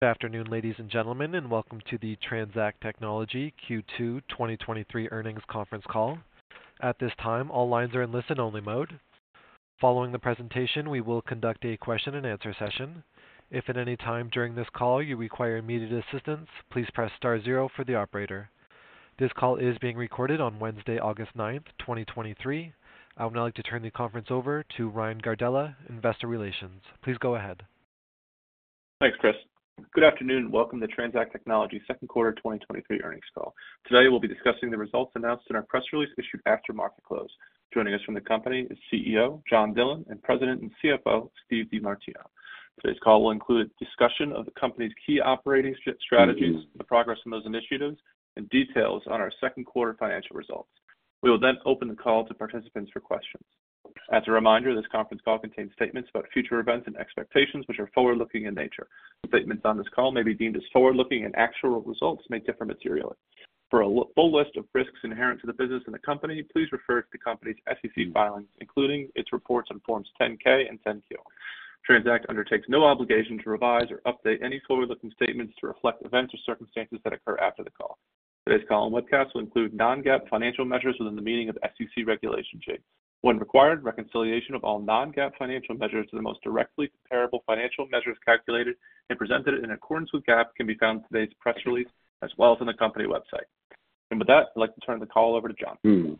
Good afternoon, ladies and gentlemen, and welcome to the TransAct Technologies Q2 2023 earnings conference call. At this time, all lines are in listen-only mode. Following the presentation, we will conduct a question-and-answer session. If at any time during this call you require immediate assistance, please press star zero for the operator. This call is being recorded on Wednesday, August ninth, twenty twenty-three. I would now like to turn the conference over to Ryan Gardella, Investor Relations. Please go ahead. Thanks, Chris. Good afternoon, and welcome to TransAct Technologies second quarter 2023 earnings call. Today, we'll be discussing the results announced in our press release, issued after market close. Joining us from the company is CEO, John Dillon, and President and CFO, Steve DeMartino. Today's call will include a discussion of the company's key operating strategies, the progress on those initiatives, and details on our second quarter financial results. We will then open the call to participants for questions. As a reminder, this conference call contains statements about future events and expectations, which are forward-looking in nature. Statements on this call may be deemed as forward-looking, and actual results may differ materially. For a full list of risks inherent to the business and the company, please refer to the company's SEC filings, including its reports on Forms 10-K and 10-Q. TransAct undertakes no obligation to revise or update any forward-looking statements to reflect events or circumstances that occur after the call. Today's call and webcast will include non-GAAP financial measures within the meaning of SEC Regulation G. When required, reconciliation of all non-GAAP financial measures to the most directly comparable financial measures calculated and presented in accordance with GAAP can be found in today's press release, as well as on the company website. With that, I'd like to turn the call over to John.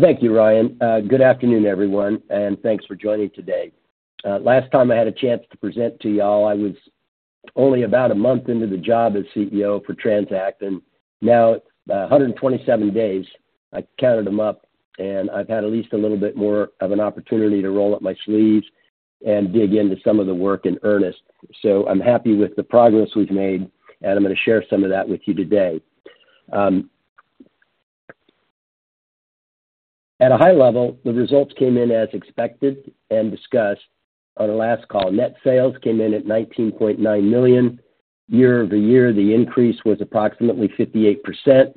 Thank you, Ryan. Good afternoon, everyone, and thanks for joining today. Last time I had a chance to present to you all, I was only about a month into the job as CEO for TransAct, and now, 127 days, I counted them up, and I've had at least a little bit more of an opportunity to roll up my sleeves and dig into some of the work in earnest. I'm happy with the progress we've made, and I'm going to share some of that with you today. At a high level, the results came in as expected and discussed on the last call. Net sales came in at $19.9 million. Year-over-year, the increase was approximately 58%,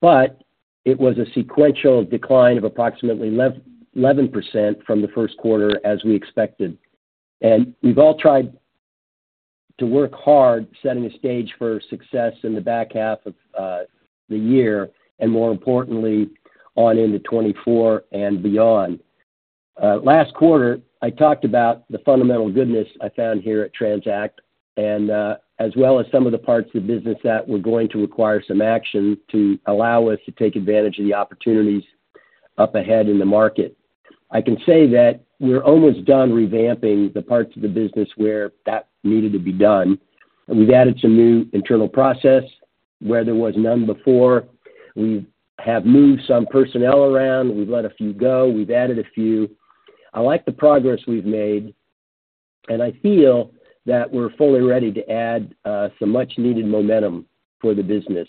but it was a sequential decline of approximately 11% from the first quarter, as we expected. We've all tried to work hard, setting the stage for success in the back half of the year, and more importantly, on into 2024 and beyond. Last quarter, I talked about the fundamental goodness I found here at TransAct and as well as some of the parts of the business that were going to require some action to allow us to take advantage of the opportunities up ahead in the market. I can say that we're almost done revamping the parts of the business where that needed to be done, and we've added some new internal process where there was none before. We have moved some personnel around. We've let a few go. We've added a few. I like the progress we've made, and I feel that we're fully ready to add some much-needed momentum for the business.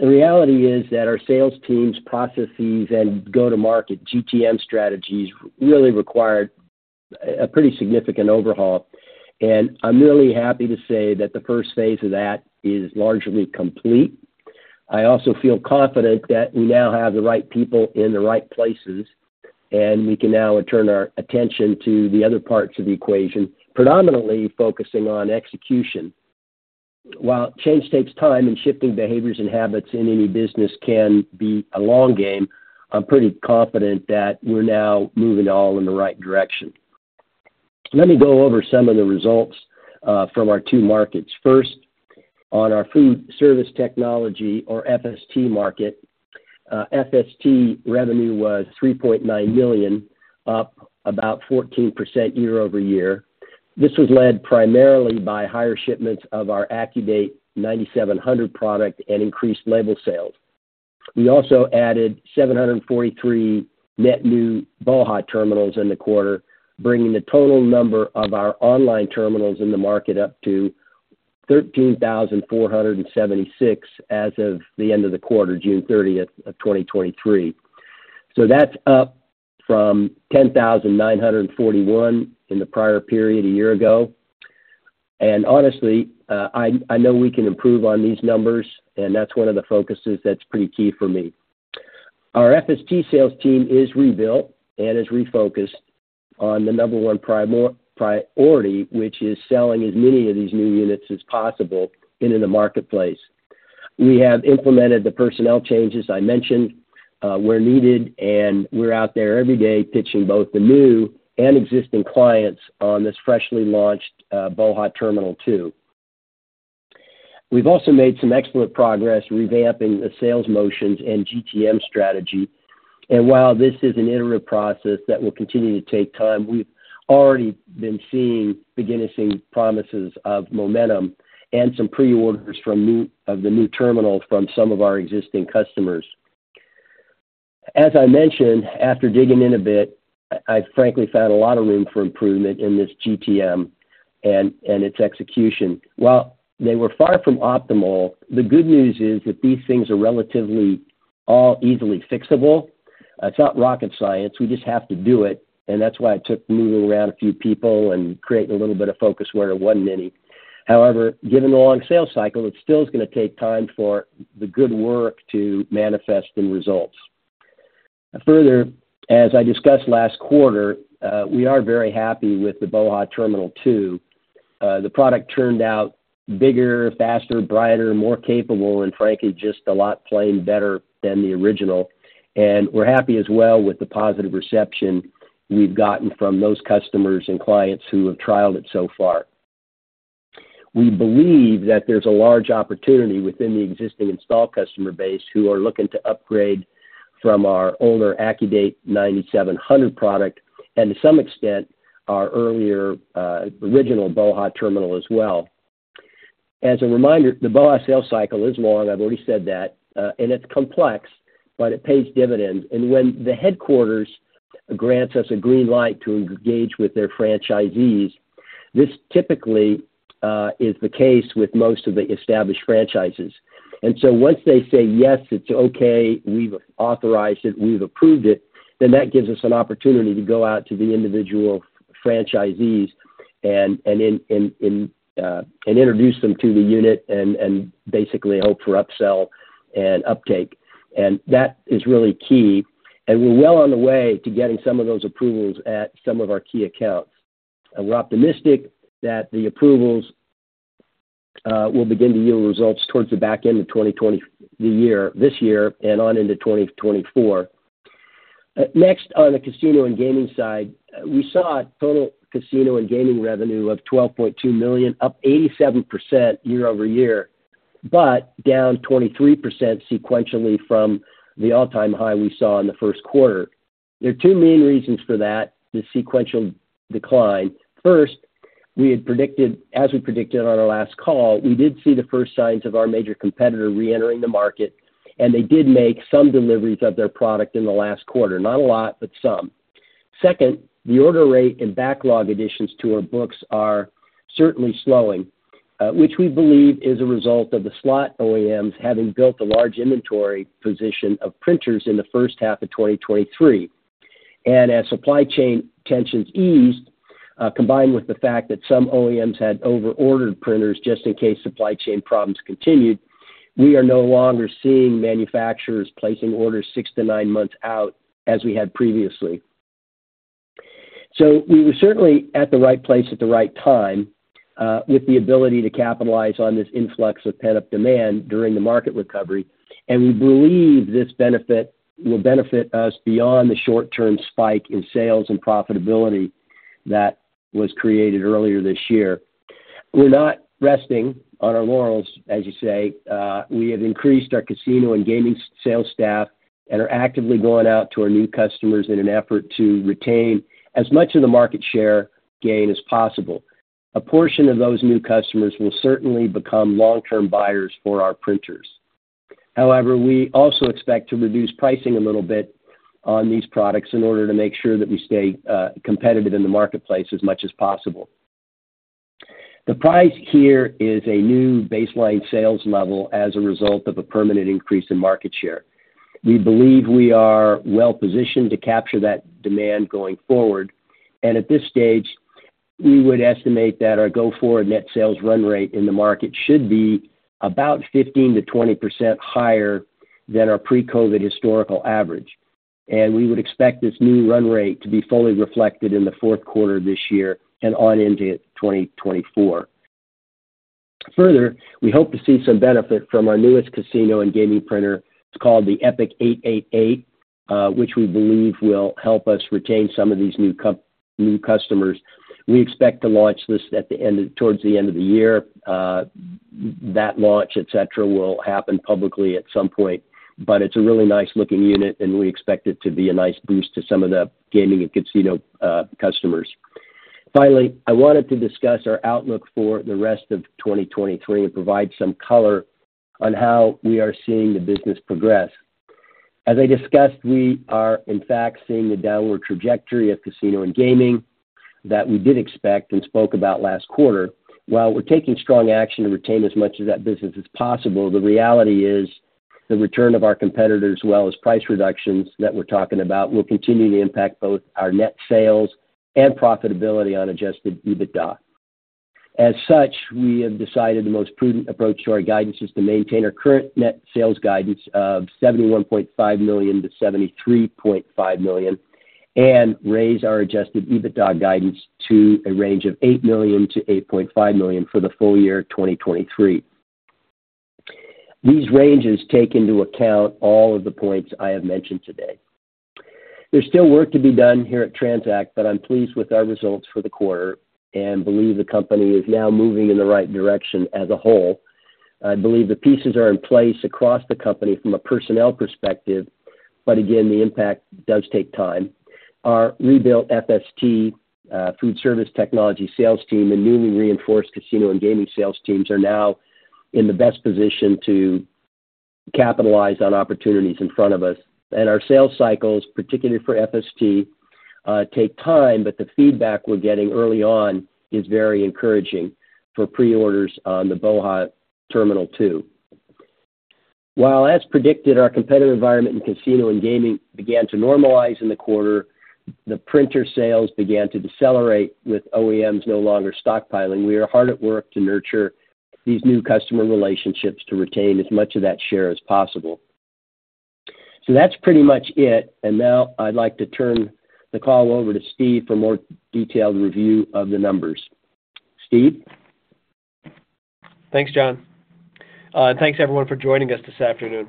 The reality is that our sales teams, processes, and go-to-market, GTM strategies, really required a pretty significant overhaul, and I'm really happy to say that the first phase of that is largely complete. I also feel confident that we now have the right people in the right places, and we can now turn our attention to the other parts of the equation, predominantly focusing on execution. While change takes time, and shifting behaviors and habits in any business can be a long game, I'm pretty confident that we're now moving all in the right direction. Let me go over some of the results from our two markets. First, on our Food Service Technology or FST market. FST revenue was $3.9 million, up about 14% year-over-year. This was led primarily by higher shipments of our AccuDate 9700 product and increased label sales. We also added 743 net new BOHA! terminals in the quarter, bringing the total number of our online terminals in the market up to 13,476 as of the end of the quarter, June 30, 2023. That's up from 10,941 in the prior period a year ago. Honestly, I, I know we can improve on these numbers, and that's one of the focuses that's pretty key for me. Our FST sales team is rebuilt and is refocused on the number 1 priority, which is selling as many of these new units as possible into the marketplace. We have implemented the personnel changes I mentioned, where needed, and we're out there every day pitching both the new and existing clients on this freshly launched BOHA! Terminal 2. We've also made some excellent progress revamping the sales motions and GTM strategy. While this is an iterative process that will continue to take time, we've already been seeing beginning promises of momentum and some pre-orders from of the new terminal from some of our existing customers. As I mentioned, after digging in a bit, I frankly found a lot of room for improvement in this GTM and its execution. While they were far from optimal, the good news is that these things are relatively all easily fixable. It's not rocket science. We just have to do it, and that's why it took moving around a few people and creating a little bit of focus where there wasn't many. However, given the long sales cycle, it still is going to take time for the good work to manifest in results. Further, as I discussed last quarter, we are very happy with the BOHA! Terminal 2. The product turned out bigger, faster, brighter, and more capable, and frankly, just a lot plain better than the original. And we're happy as well with the positive reception we've gotten from those customers and clients who have trialed it so far. We believe that there's a large opportunity within the existing installed customer base who are looking to upgrade from our older AccuDate 9700 product, and to some extent, our earlier, original BOHA! terminal as well. As a reminder, the BOHA! sales cycle is long, I've already said that, and it's complex, but it pays dividends. And when the headquarters grants us a green light to engage with their franchisees, this typically is the case with most of the established franchises. Once they say, "Yes, it's okay, we've authorized it, we've approved it," then that gives us an opportunity to go out to the individual franchisees and introduce them to the unit and basically hope for upsell and uptake. That is really key, and we're well on the way to getting some of those approvals at some of our key accounts. We're optimistic that the approvals will begin to yield results towards the back end of this year, and on into 2024. Next, on the Casino and Gaming side, we saw a total Casino and Gaming revenue of $12.2 million, up 87% year-over-year, but down 23% sequentially from the all-time high we saw in the first quarter. There are two main reasons for that, the sequential decline. First, we had predicted -- as we predicted on our last call, we did see the first signs of our major competitor reentering the market, and they did make some deliveries of their product in the last quarter. Not a lot, but some. Second, the order rate and backlog additions to our books are certainly slowing, which we believe is a result of the slot OEMs having built a large inventory position of printers in the first half of 2023. As supply chain tensions eased, combined with the fact that some OEMs had over-ordered printers just in case supply chain problems continued, we are no longer seeing manufacturers placing orders 6 to 9 months out as we had previously. We were certainly at the right place at the right time, with the ability to capitalize on this influx of pent-up demand during the market recovery, and we believe this benefit will benefit us beyond the short-term spike in sales and profitability that was created earlier this year. We're not resting on our laurels, as you say. We have increased our Casino and Gaming sales staff and are actively going out to our new customers in an effort to retain as much of the market share gain as possible. A portion of those new customers will certainly become long-term buyers for our printers. We also expect to reduce pricing a little bit on these products in order to make sure that we stay, competitive in the marketplace as much as possible. The prize here is a new baseline sales level as a result of a permanent increase in market share. We believe we are well positioned to capture that demand going forward, and at this stage, we would estimate that our go-forward net sales run rate in the market should be about 15%-20% higher than our pre-COVID historical average. We would expect this new run rate to be fully reflected in the fourth quarter of this year and on into 2024. Further, we hope to see some benefit from our newest Casino and Gaming printer. It's called the Epic 888, which we believe will help us retain some of these new customers. We expect to launch this towards the end of the year. That launch, et cetera, will happen publicly at some point, but it's a really nice-looking unit, and we expect it to be a nice boost to some of the gaming and casino customers. Finally, I wanted to discuss our outlook for the rest of 2023 and provide some color on how we are seeing the business progress. As I discussed, we are in fact seeing the downward trajectory of casino and gaming that we did expect and spoke about last quarter. While we're taking strong action to retain as much of that business as possible, the reality is the return of our competitors, as well as price reductions that we're talking about, will continue to impact both our net sales and profitability on adjusted EBITDA. As such, we have decided the most prudent approach to our guidance is to maintain our current net sales guidance of $71.5 million-$73.5 million and raise our adjusted EBITDA guidance to a range of $8 million-$8.5 million for the full year 2023. These ranges take into account all of the points I have mentioned today. There's still work to be done here at TransAct, but I'm pleased with our results for the quarter and believe the company is now moving in the right direction as a whole. I believe the pieces are in place across the company from a personnel perspective, but again, the impact does take time. Our rebuilt FST, Food Service Technology sales team, and newly reinforced casino and gaming sales teams are now in the best position to capitalize on opportunities in front of us. Our sales cycles, particularly for FST, take time, but the feedback we're getting early on is very encouraging for pre-orders on the BOHA! Terminal 2. While as predicted, our competitive environment in Casino and Gaming began to normalize in the quarter. The printer sales began to decelerate with OEMs no longer stockpiling, we are hard at work to nurture these new customer relationships to retain as much of that share as possible. That's pretty much it, and now I'd like to turn the call over to Steve for a more detailed review of the numbers. Steve? Thanks, John, and thanks everyone for joining us this afternoon.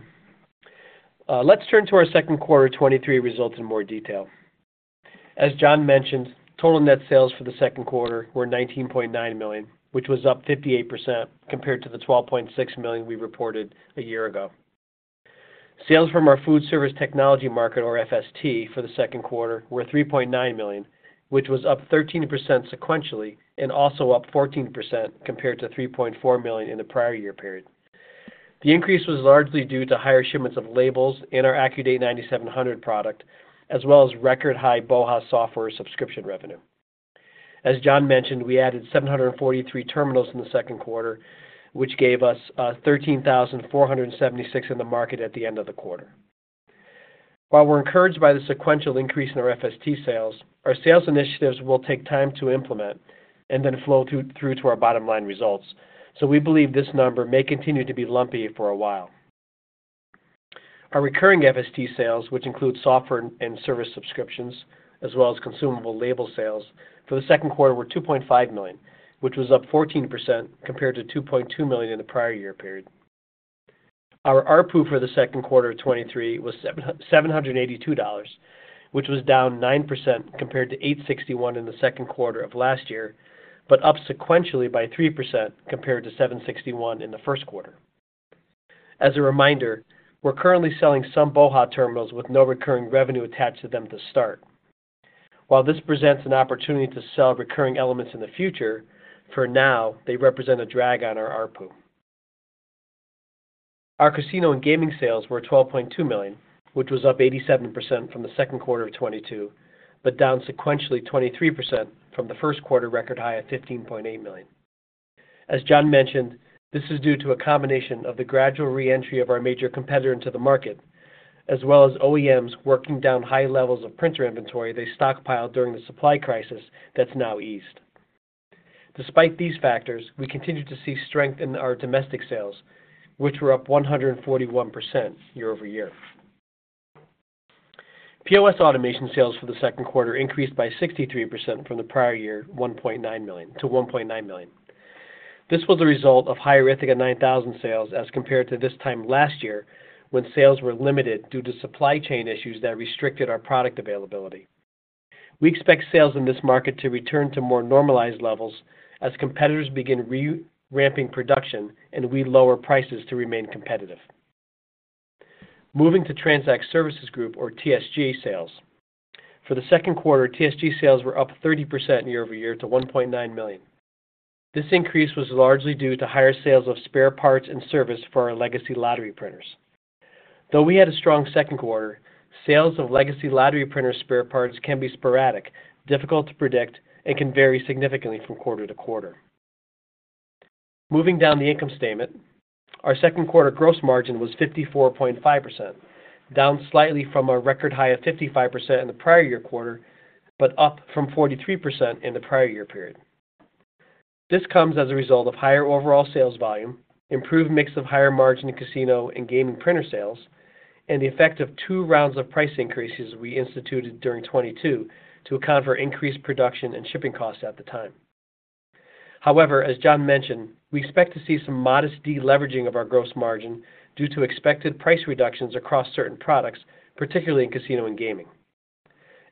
Let's turn to our second quarter 2023 results in more detail. As John mentioned, total net sales for the second quarter were $19.9 million, which was up 58% compared to the $12.6 million we reported a year ago. Sales from our Food Service Technology market, or FST, for the second quarter were $3.9 million, which was up 13% sequentially and also up 14% compared to $3.4 million in the prior year period. The increase was largely due to higher shipments of labels in our AccuDate 9700 product, as well as record-high BOHA! software subscription revenue. As John mentioned, we added 743 terminals in the second quarter, which gave us 13,476 in the market at the end of the quarter. While we're encouraged by the sequential increase in our FST sales, our sales initiatives will take time to implement and then flow through to our bottom line results. We believe this number may continue to be lumpy for a while. Our recurring FST sales, which include software and service subscriptions, as well as consumable label sales, for the second quarter were $2.5 million, which was up 14% compared to $2.2 million in the prior year period. Our ARPU for the second quarter 2023 was $782, which was down 9% compared to $861 in the second quarter of last year, up sequentially by 3% compared to $761 in the first quarter. As a reminder, we're currently selling some BOHA terminals with no recurring revenue attached to them to start. While this presents an opportunity to sell recurring elements in the future, for now, they represent a drag on our ARPU. Our Casino and Gaming sales were $12.2 million, which was up 87% from the second quarter 2022, down sequentially 23% from the first quarter record high of $15.8 million. As John mentioned, this is due to a combination of the gradual re-entry of our major competitor into the market, as well as OEMs working down high levels of printer inventory they stockpiled during the supply crisis that's now eased. Despite these factors, we continue to see strength in our domestic sales, which were up 141% year-over-year. POS automation sales for the second quarter increased by 63% from the prior year to $1.9 million. This was a result of higher Ithaca 9000 sales as compared to this time last year, when sales were limited due to supply chain issues that restricted our product availability. We expect sales in this market to return to more normalized levels as competitors begin re-ramping production, and we lower prices to remain competitive. Moving to TransAct Services Group, or TSG, sales. For the second quarter, TSG sales were up 30% year-over-year to $1.9 million. This increase was largely due to higher sales of spare parts and service for our legacy lottery printers. We had a strong second quarter, sales of legacy lottery printer spare parts can be sporadic, difficult to predict, and can vary significantly from quarter-to-quarter. Moving down the income statement, our second quarter gross margin was 54.5%, down slightly from our record high of 55% in the prior year quarter, but up from 43% in the prior year period. This comes as a result of higher overall sales volume, improved mix of higher margin in Casino and Gaming printer sales, and the effect of two rounds of price increases we instituted during 2022 to account for increased production and shipping costs at the time. However, as John mentioned, we expect to see some modest deleveraging of our gross margin due to expected price reductions across certain products, particularly in Casino and Gaming.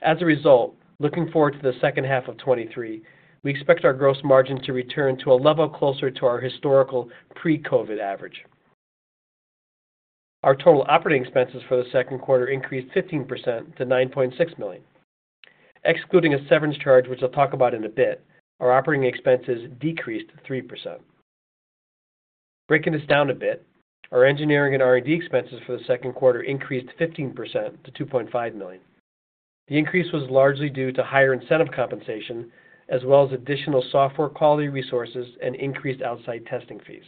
As a result, looking forward to the second half of 2023, we expect our gross margins to return to a level closer to our historical pre-COVID average. Our total operating expenses for the second quarter increased 15% to $9.6 million. Excluding a severance charge, which I'll talk about in a bit, our operating expenses decreased 3%. Breaking this down a bit, our engineering and R&D expenses for the second quarter increased 15% to $2.5 million. The increase was largely due to higher incentive compensation, as well as additional software quality resources and increased outside testing fees.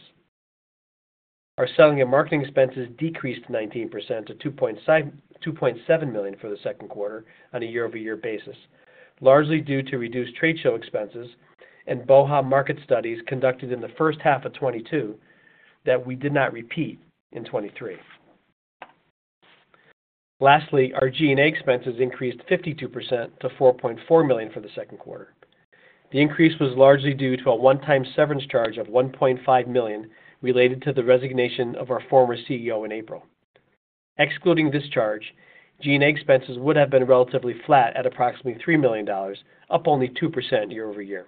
Our selling and marketing expenses decreased 19% to $2.7 million for the second quarter on a year-over-year basis, largely due to reduced trade show expenses and BOHA! market studies conducted in the first half of 2022 that we did not repeat in 2023. Lastly, our G&A expenses increased 52% to $4.4 million for the second quarter. The increase was largely due to a one-time severance charge of $1.5 million related to the resignation of our former CEO in April. Excluding this charge, G&A expenses would have been relatively flat at approximately $3 million, up only 2% year-over-year.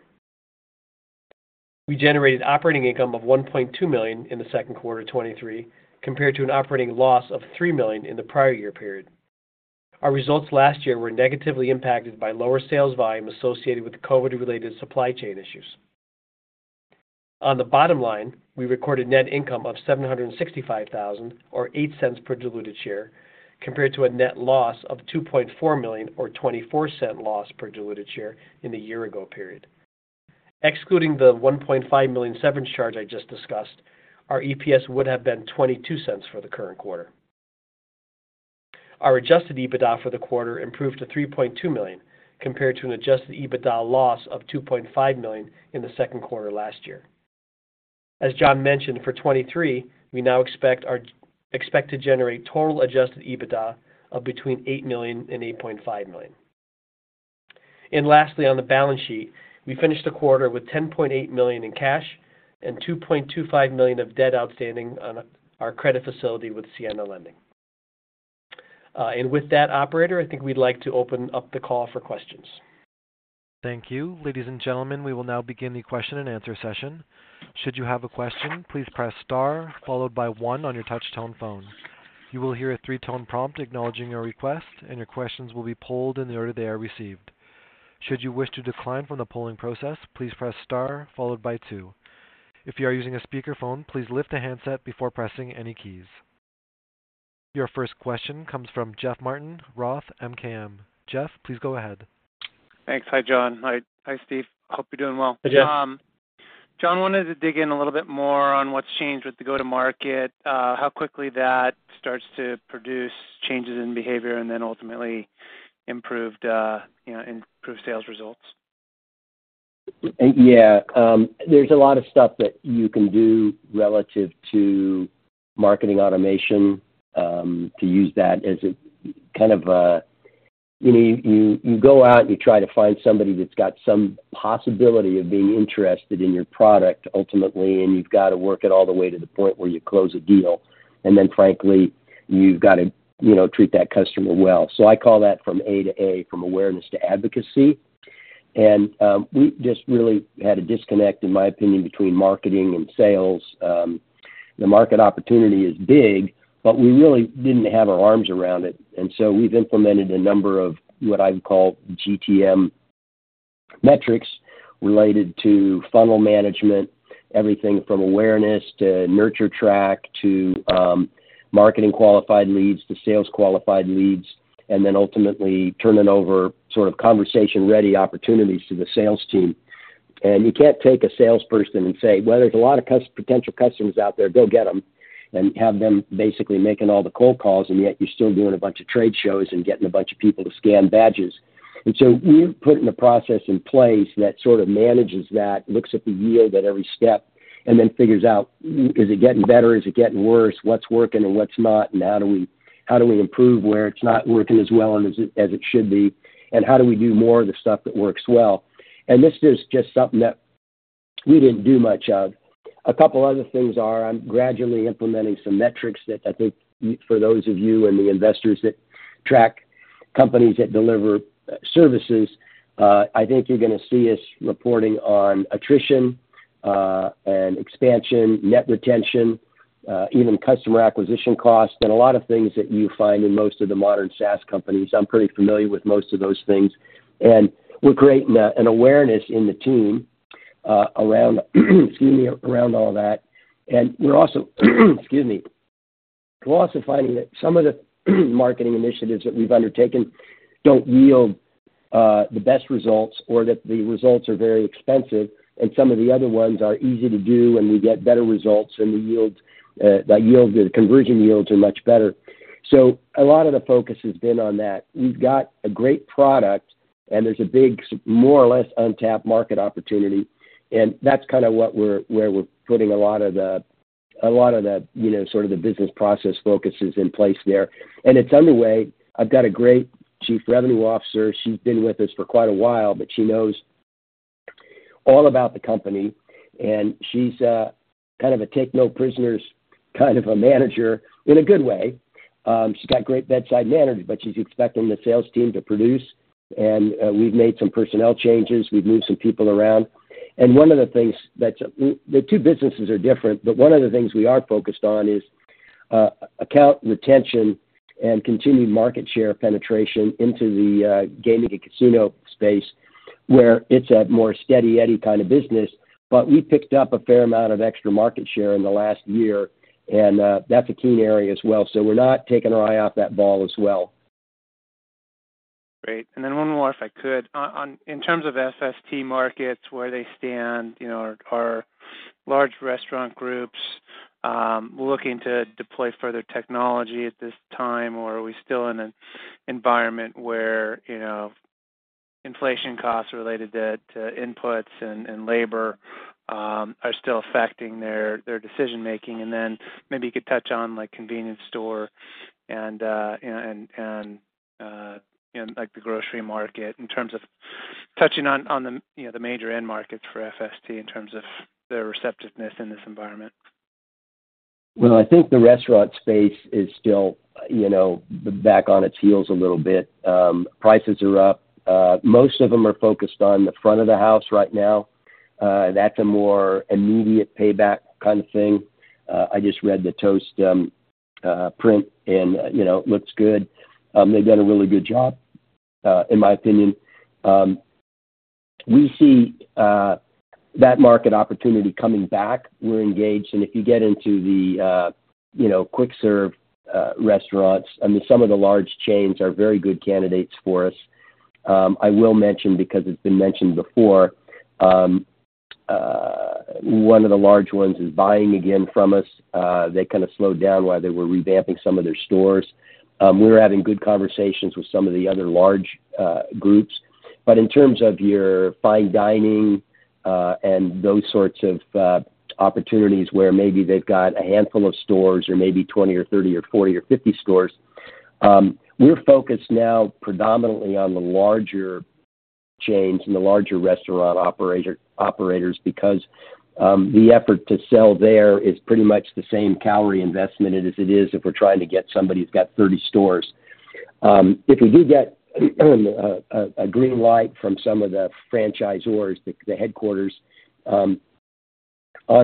We generated operating income of $1.2 million in the second quarter of 2023, compared to an operating loss of $3 million in the prior year period. Our results last year were negatively impacted by lower sales volume associated with the COVID-related supply chain issues. On the bottom line, we recorded net income of $765,000 or $0.08 per diluted share, compared to a net loss of $2.4 million or $0.24 loss per diluted share in the year-ago period. Excluding the $1.5 million severance charge I just discussed, our EPS would have been $0.22 for the current quarter. Our adjusted EBITDA for the quarter improved to $3.2 million, compared to an adjusted EBITDA loss of $2.5 million in the second quarter last year. As John mentioned, for 2023, we now expect to generate total adjusted EBITDA of between $8 million and $8.5 million. Lastly, on the balance sheet, we finished the quarter with $10.8 million in cash and $2.25 million of debt outstanding on our credit facility with Siena Lending. With that, operator, I think we'd like to open up the call for questions. Thank you. Ladies and gentlemen, we will now begin the question and answer session. Should you have a question, please press Star followed by one on your touch-tone phone. You will hear a three-tone prompt acknowledging your request, and your questions will be polled in the order they are received. Should you wish to decline from the polling process, please press Star followed by two. If you are using a speakerphone, please lift the handset before pressing any keys. Your first question comes from Jeff Martin, Roth MKM. Jeff, please go ahead. Thanks. Hi, John. Hi, Steve. Hope you're doing well. Hi, Jeff. John, wanted to dig in a little bit more on what's changed with the go-to-market, how quickly that starts to produce changes in behavior and then ultimately improved, you know, improved sales results. Yeah. There's a lot of stuff that you can do relative to marketing automation, to use that as a kind of you know, go out, and you try to find somebody that's got some possibility of being interested in your product ultimately, and you've got to work it all the way to the point where you close a deal. Then, frankly, you've got to, you know, treat that customer well. I call that from A to A, from awareness to advocacy. We just really had a disconnect, in my opinion, between marketing and sales. The market opportunity is big. We really didn't have our arms around it. We've implemented a number of what I'd call GTM metrics related to funnel management, everything from awareness to nurture track, to marketing qualified leads, to sales qualified leads, and then ultimately turning over sort of conversation-ready opportunities to the sales team. You can't take a salesperson and say, "Well, there's a lot of potential customers out there, go get them," and have them basically making all the cold calls, and yet you're still doing a bunch of trade shows and getting a bunch of people to scan badges. We've put in a process in place that sort of manages that, looks at the yield at every step, and then figures out, is it getting better? Is it getting worse? What's working and what's not? How do we improve where it's not working as well and as it should be? How do we do more of the stuff that works well? This is just something that we didn't do much of. A couple other things are I'm gradually implementing some metrics that I think for those of you and the investors that track companies that deliver services, I think you're going to see us reporting on attrition, and expansion, net retention, even customer acquisition costs, and a lot of things that you find in most of the modern SaaS companies. I'm pretty familiar with most of those things, and we're creating a, an awareness in the team, around, excuse me, around all that. We're also, excuse me. We're also finding that some of the marketing initiatives that we've undertaken don't yield the best results or that the results are very expensive, and some of the other ones are easy to do, and we get better results, and the yields, the yields, the conversion yields are much better. A lot of the focus has been on that. We've got a great product, and there's a big, more or less, untapped market opportunity, and that's kind of what we're where we're putting a lot of the, a lot of the, you know, sort of the business process focuses in place there. It's underway. I've got a great Chief Revenue Officer. She's been with us for quite a while, but she knows all about the company, and she's kind of a take-no-prisoners kind of a manager in a good way. She's got great bedside manner, but she's expecting the sales team to produce. We've made some personnel changes. We've moved some people around. One of the things that... The two businesses are different, but one of the things we are focused on is account retention and continued market share penetration into the gaming and casino space, where it's a more steady Eddie kind of business. We picked up a fair amount of extra market share in the last year, and that's a key area as well. We're not taking our eye off that ball as well. Great. One more, if I could. In terms of FST markets, where they stand, you know, are large restaurant groups looking to deploy further technology at this time? Are we still in an environment where, you know, inflation costs related to inputs and labor are still affecting their decision making? Then maybe you could touch on, like, convenience store and, and, and like the grocery market in terms of touching on the, you know, the major end markets for FST in terms of their receptiveness in this environment. Well, I think the restaurant space is still, you know, back on its heels a little bit. Prices are up. Most of them are focused on the front of the house right now. That's a more immediate payback kind of thing. I just read the Toast print and, you know, it looks good. They've done a really good job in my opinion. We see that market opportunity coming back. We're engaged, and if you get into the, you know, quick-serve restaurants, I mean, some of the large chains are very good candidates for us. I will mention, because it's been mentioned before, one of the large ones is buying again from us. They kind of slowed down while they were revamping some of their stores. We're having good conversations with some of the other large groups. In terms of your fine dining and those sorts of opportunities, where maybe they've got a handful of stores or maybe 20 or 30 or 40 or 50 stores, we're focused now predominantly on the larger chains and the larger restaurant operators because the effort to sell there is pretty much the same calorie investment as it is if we're trying to get somebody who's got 30 stores. If we do get a green light from some of the franchisors, the headquarters, on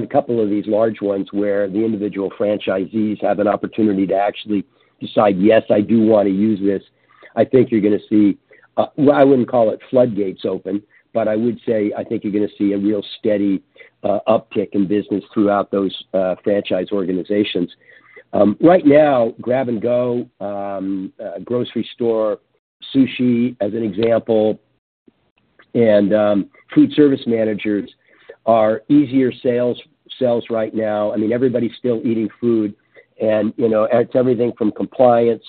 2 of these large ones, where the individual franchisees have an opportunity to actually decide, "Yes, I do want to use this," I think you're going to see, well, I wouldn't call it floodgates open, but I would say I think you're going to see a real steady uptick in business throughout those franchise organizations. Right now, grab-and-go, grocery store, sushi, as an example, and food service managers are easier sales- sales right now. I mean, everybody's still eating food, and, you know, it's everything from compliance.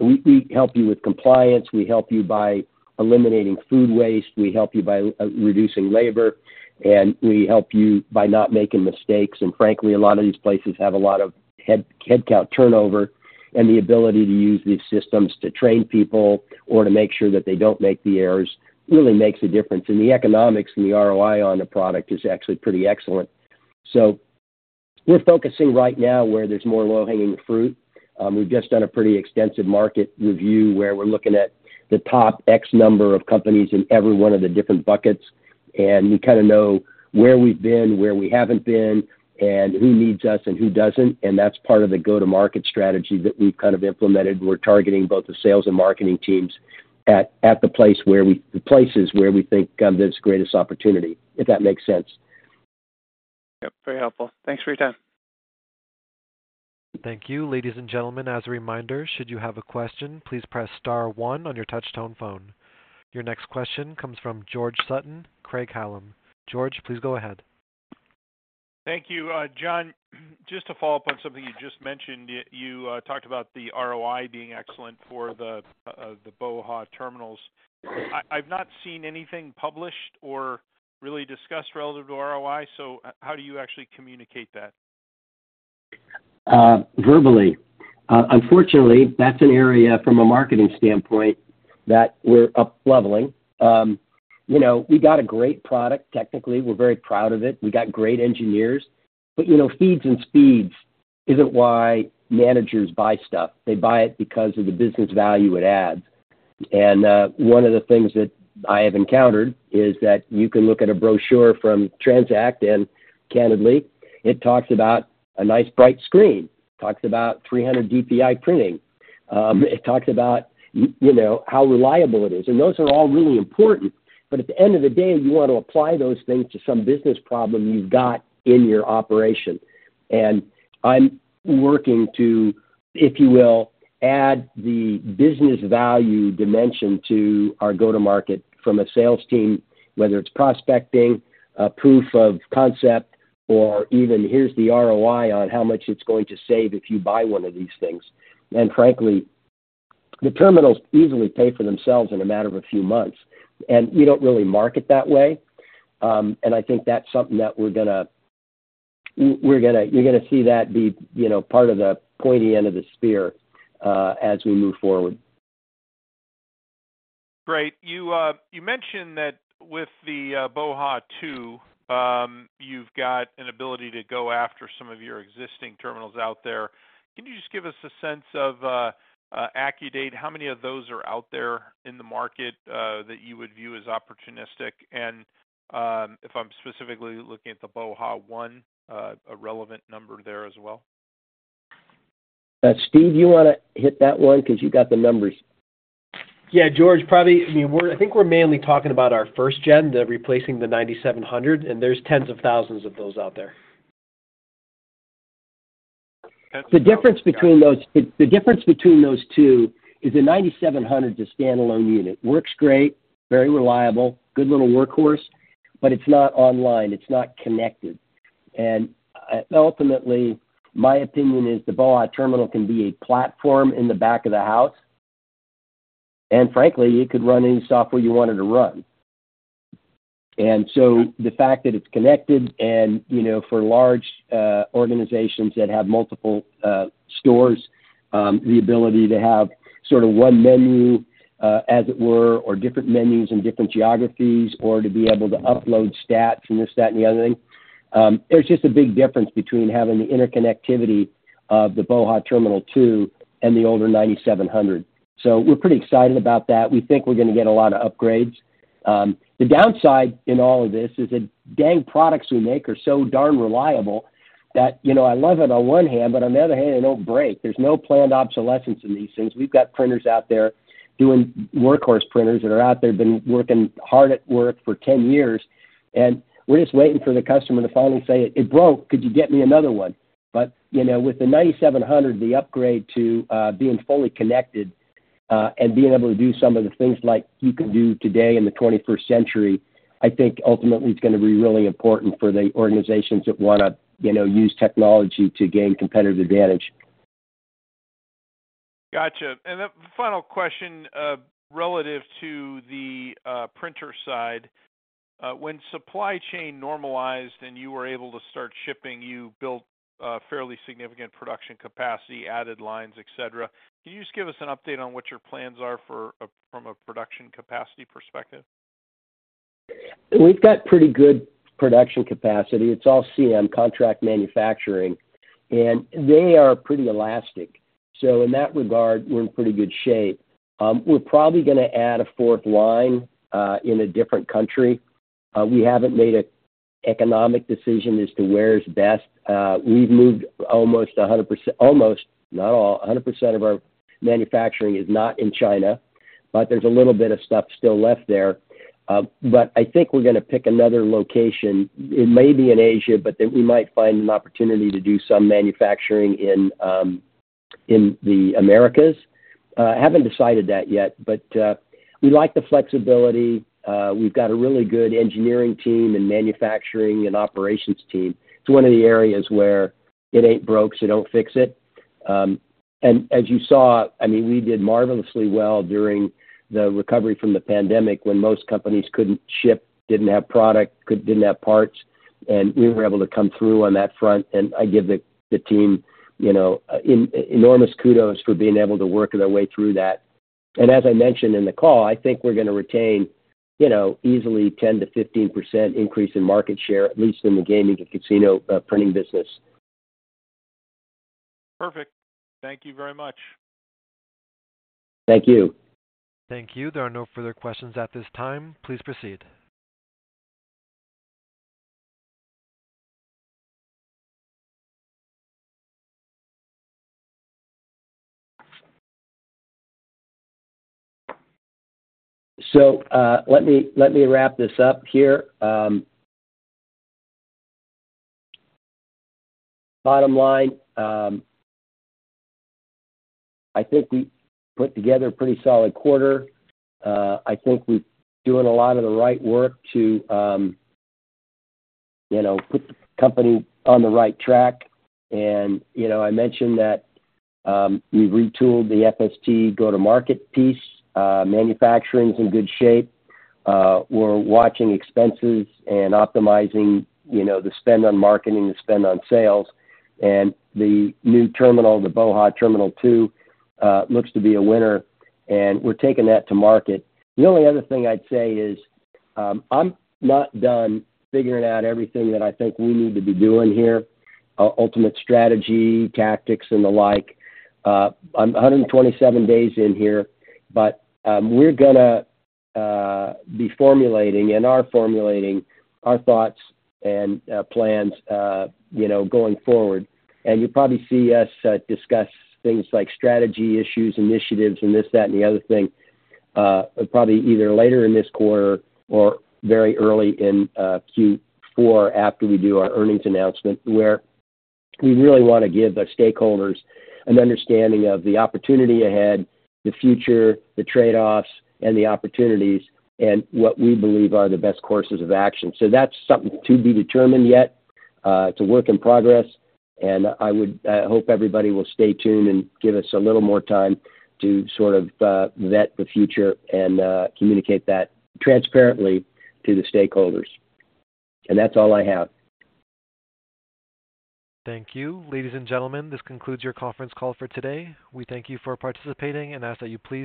We, we help you with compliance. We help you by eliminating food waste. We help you by reducing labor, and we help you by not making mistakes. Frankly, a lot of these places have a lot of head, headcount turnover, and the ability to use these systems to train people or to make sure that they don't make the errors really makes a difference. The economics and the ROI on the product is actually pretty excellent. We're focusing right now where there's more low-hanging fruit. We've just done a pretty extensive market review, where we're looking at the top X number of companies in every one of the different buckets, and we kind of know where we've been, where we haven't been, and who needs us and who doesn't, and that's part of the go-to-market strategy that we've kind of implemented. We're targeting both the sales and marketing teams at, at the place where we-- the places where we think there's greatest opportunity, if that makes sense. Yep, very helpful. Thanks for your time. Thank you. Ladies and gentlemen, as a reminder, should you have a question, please press star one on your touchtone phone. Your next question comes from George Sutton, Craig-Hallum. George, please go ahead. Thank you, John. Just to follow up on something you just mentioned, you, you, talked about the ROI being excellent for the, the BOHA! terminals. I, I've not seen anything published or really discussed relative to ROI, so how do you actually communicate that? Verbally. Unfortunately, that's an area from a marketing standpoint that we're upleveling. You know, we got a great product, technically. We're very proud of it. We got great engineers, but, you know, feeds and speeds isn't why managers buy stuff. They buy it because of the business value it adds. And, one of the things that I have encountered is that you can look at a brochure from TransAct, and candidly, it talks about a nice, bright screen. It talks about 300 DPI printing. It talks about, you know, how reliable it is, and those are all really important. At the end of the day, you want to apply those things to some business problem you've got in your operation. I'm working to, if you will, add the business value dimension to our go-to-market from a sales team, whether it's prospecting, a proof of concept or even here's the ROI on how much it's going to save if you buy one of these things. Frankly, the terminals easily pay for themselves in a matter of a few months, and we don't really market that way. I think that's something that we're going to... you're going to see that be, you know, part of the pointy end of the spear, as we move forward. Great. You mentioned that with the BOHA! 2, you've got an ability to go after some of your existing terminals out there. Can you just give us a sense of AccuDate? How many of those are out there in the market that you would view as opportunistic? If I'm specifically looking at the BOHA! 1, a relevant number there as well. Steve, you want to hit that 1 because you got the numbers? Yeah, George, probably, I mean, I think we're mainly talking about our first gen, the replacing the 9700, and there's tens of thousands of those out there. The difference between those two is the 9700 is a standalone unit. Works great, very reliable, good little workhorse, but it's not online. It's not connected. Ultimately, my opinion is the BOHA! terminal can be a platform in the back-of-house, and frankly, it could run any software you want it to run. The fact that it's connected and, you know, for large organizations that have multiple stores, the ability to have sort of one menu, as it were, or different menus in different geographies, or to be able to upload stats and this, that, and the other thing. There's just a big difference between having the interconnectivity of the BOHA! Terminal 2 and the older 9700. We're pretty excited about that. We think we're going to get a lot of upgrades. The downside in all of this is that dang products we make are so darn reliable that, you know, I love it on one hand, but on the other hand, they don't break. There's no planned obsolescence in these things. We've got printers out there, doing workhorse printers that are out there, been working hard at work for 10 years, and we're just waiting for the customer to finally say, "It broke. Could you get me another one?" You know, with the AccuDate 9700, the upgrade to being fully connected, and being able to do some of the things like you can do today in the 21st century, I think ultimately it's gonna be really important for the organizations that wanna, you know, use technology to gain competitive advantage. Gotcha. Final question, relative to the printer side. When supply chain normalized and you were able to start shipping, you built a fairly significant production capacity, added lines, et cetera. Can you just give us an update on what your plans are from a production capacity perspective? We've got pretty good production capacity. It's all CM, contract manufacturing, and they are pretty elastic. In that regard, we're in pretty good shape. We're probably gonna add a 4th line in a different country. We haven't made an economic decision as to where is best. We've moved almost 100%, almost, not all, 100% of our manufacturing is not in China, but there's a little bit of stuff still left there. I think we're gonna pick another location. It may be in Asia, but then we might find an opportunity to do some manufacturing in the Americas. I haven't decided that yet, but we like the flexibility. We've got a really good engineering team and manufacturing and operations team. It's one of the areas where it ain't broke, so don't fix it. As you saw, I mean, we did marvelously well during the recovery from the pandemic, when most companies couldn't ship, didn't have product, didn't have parts, and we were able to come through on that front, and I give the, the team, you know, enormous kudos for being able to work their way through that. As I mentioned in the call, I think we're gonna retain, you know, easily 10-15% increase in market share, at least in the gaming and casino printing business. Perfect. Thank you very much. Thank you. Thank you. There are no further questions at this time. Please proceed. Let me, let me wrap this up here. Bottom line, I think we put together a pretty solid quarter. I think we're doing a lot of the right work to, you know, put the company on the right track. You know, I mentioned that we've retooled the FST go-to-market piece. Manufacturing's in good shape. We're watching expenses and optimizing, you know, the spend on marketing, the spend on sales. The new terminal, the BOHA! Terminal 2, looks to be a winner, and we're taking that to market. The only other thing I'd say is, I'm not done figuring out everything that I think we need to be doing here, ultimate strategy, tactics, and the like. I'm 127 days in here, but we're gonna be formulating and are formulating our thoughts and plans, you know, going forward. You'll probably see us discuss things like strategy issues, initiatives, and this, that, and the other thing, probably either later in this quarter or very early in Q4, after we do our earnings announcement. Where we really wanna give the stakeholders an understanding of the opportunity ahead, the future, the trade-offs, and the opportunities, and what we believe are the best courses of action. That's something to be determined yet, it's a work in progress, and I would hope everybody will stay tuned and give us a little more time to sort of vet the future and communicate that transparently to the stakeholders. That's all I have. Thank you. Ladies and gentlemen, this concludes your conference call for today. We thank you for participating and ask that you please-